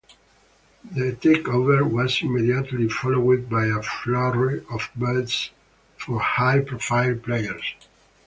The takeover was immediately followed by a flurry of bids for high-profile players.